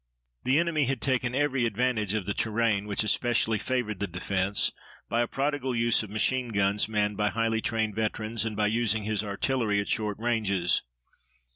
The enemy had taken every advantage of the terrain, which especially favored the defense, by a prodigal use of machine guns manned by highly trained veterans and by using his artillery at short ranges.